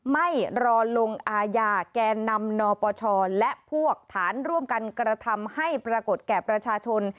ไม่รอลงอาญาแก่นำนปชและพวกฐานร่วมกันกระทำให้ปรากฏแก่ประชาชน